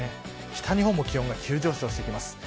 北日本も気温が急上昇してきます。